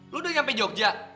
lu udah nyampe jogja